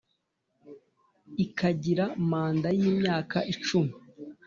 ikagira manda yimyaka icumi